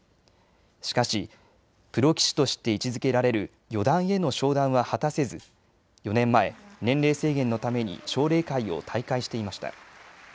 しかし、プロ棋士として位置づけられる四段への昇段は果たせず４年前、年齢制限のために奨励会を退会していました。